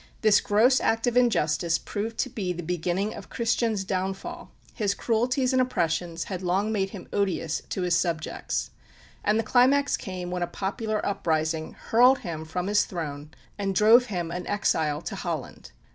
This gross act of injustice proved to be the beginning of Christian's downfall. His cruelties and oppressions had long made him odious to his subjects, and the climax came when a popular uprising hurled him from his throne and drove him an exile to Holland.